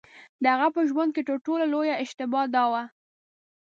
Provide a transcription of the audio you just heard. د هغه په ژوند کې تر ټولو لویه اشتباه دا وه.